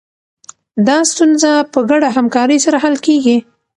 دا ستونزه په ګډه همکارۍ سره حل کېږي.